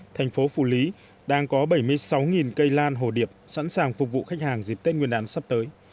thành phố phủ lý đang có bảy mươi sáu cây lan hồ điệp sẵn sàng phục vụ khách hàng dịp tết nguyên đán sắp tới